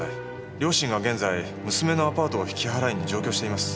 両親が現在娘のアパートを引き払いに上京しています。